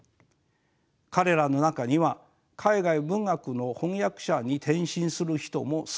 彼らの中には海外文学の翻訳者に転身する人も少なくありません。